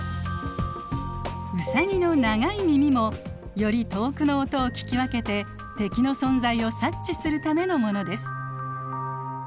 ウサギの長い耳もより遠くの音を聞き分けて敵の存在を察知するためのものです。